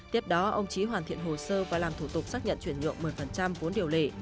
tiếp đó ông trí hoàn thiện hồ sơ và làm thủ tục xác nhận chuyển nhượng một mươi vốn điều lệ